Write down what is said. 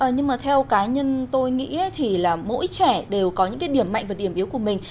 nhưng mà theo cá nhân tôi nghĩ thì là mỗi trẻ đều có những cái điểm mạnh và điểm yếu của mình